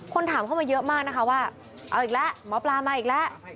ถามเข้ามาเยอะมากนะคะว่าเอาอีกแล้วหมอปลามาอีกแล้ว